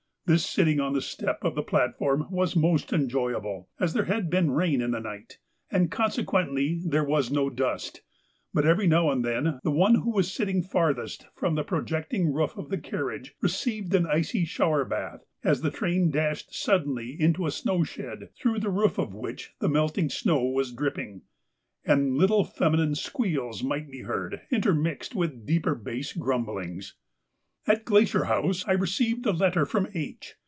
This sitting on the step of the platform was most enjoyable, as there had been rain in the night, and consequently there was no dust, but every now and then the one who was sitting farthest from the projecting roof of the carriage received an icy shower bath, as the train dashed suddenly into a snow shed through the roof of which the melting snow was dripping, and little feminine squeals might be heard, intermixed with deeper bass grumblings. At Glacier House I received a letter from H.